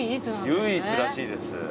唯一らしいです。